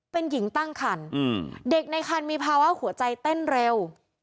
เป็นหญิงตั้งคันเด็กในคันมีภาวะหัวใจเต้นเร็ว